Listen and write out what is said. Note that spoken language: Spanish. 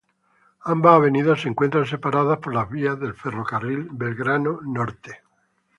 Ambas avenidas se encuentran separadas por las vías del Ferrocarril Belgrano Norte.